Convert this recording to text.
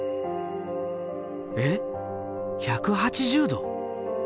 えっ１８０℃？